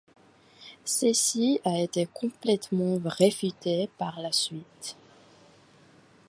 Ceci a été complètement réfuté par la suite.